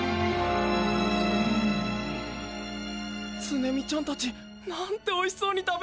ツネ美ちゃんたちなんておいしそうに食べるんだ。